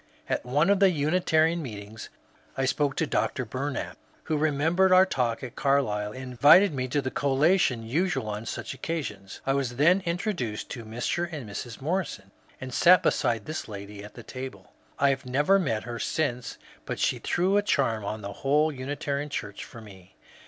At one of the Unitarian meetings I spoke to Dr. Bumap, who remembered our talk at Carlisle, and invited me to the collation usual on such occasions. I was then introduced to Mr. and Mrs. Morrison, and sat beside this lady at the table. I have never met her since, but she threw a charm on the whole Unitarian Church for me.